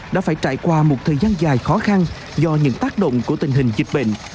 đã phải trải qua một thời gian dài khó khăn do những tác động của tình hình dịch bệnh